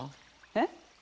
えっ？